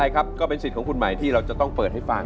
ก็เป็นสิทธิ์ของคุณหมายที่เราต้องเปิดให้ฟัง